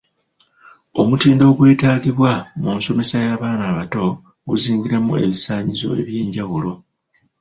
Omutindo ogwetaagibwa mu nsomesa y’abaana abato guzingiramu ebisaanyizo eby’enjawulo.